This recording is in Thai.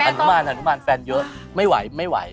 นุมานอนุมานแฟนเยอะไม่ไหวไม่ไหว